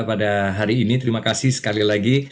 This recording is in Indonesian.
pada hari ini terima kasih sekali lagi